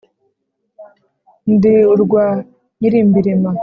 Ndi urwa Nyirimbirima